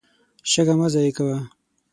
شګه مه ضایع کوه.